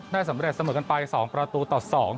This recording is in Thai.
สำเร็จเสมอกันไป๒ประตูต่อ๒